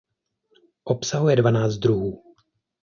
Obsahuje dvanáct druhů.